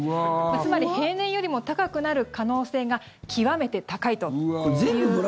つまり平年よりも高くなる可能性が極めて高いという。